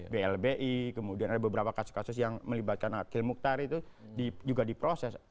blbi kemudian ada beberapa kasus kasus yang melibatkan akil mukhtar itu juga diproses